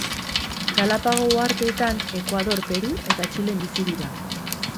Galapago uhartetan, Ekuador, Peru eta Txilen bizi dira.